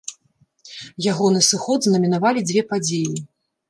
Ягоны сыход знаменавалі дзве падзеі.